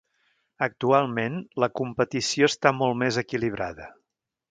Actualment, la competició està molt més equilibrada.